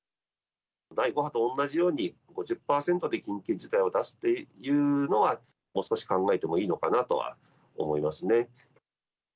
第５波とおんなじように、５０％で緊急事態を出すというのは、もう少し考えてもいいのかなとは思いますね。